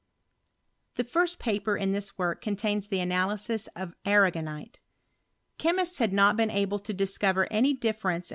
The first paper in this work contains the anatysii of arragonite. Chemists had not been able to dis cover any difference in.